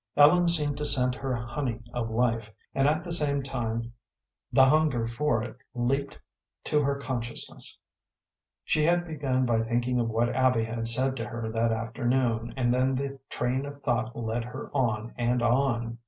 Ellen seemed to scent her honey of life, and at the same time the hunger for it leaped to her consciousness. She had begun by thinking of what Abby had said to her that afternoon, and then the train of thought led her on and on.